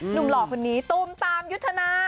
หล่อคนนี้ตูมตามยุทธนา